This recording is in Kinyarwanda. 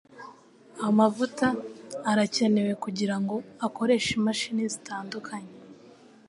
Amavuta arakenewe kugirango akoreshe imashini zitandukanye.